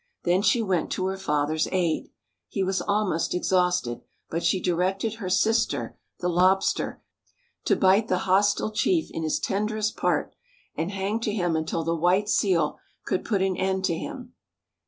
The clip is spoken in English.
Then she went to her father's aid. He was almost exhausted; but she directed her sister, the Lobster, to bite the hostile chief in his tenderest part, and hang to him until the White Seal could put an end to him.